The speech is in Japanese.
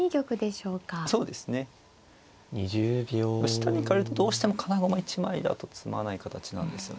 下に行かれるとどうしても金駒１枚だと詰まない形なんですよね。